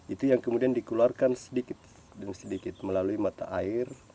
itu yang kemudian dikeluarkan sedikit demi sedikit melalui mata air